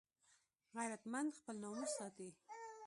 غیرتمند خپل ناموس ساتي